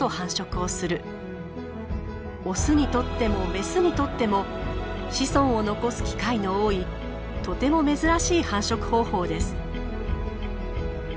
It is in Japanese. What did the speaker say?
オスにとってもメスにとっても子孫を残す機会の多いとても珍しい繁殖方法です。